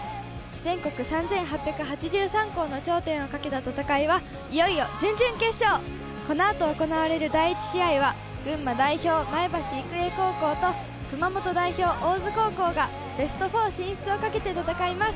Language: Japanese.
全国３８８３校の頂点をかけた戦いは、いよいよ準々決勝、この後行われる第１試合は群馬代表・前橋育英高校と熊本代表・大津高校がベスト４進出をかけて戦います。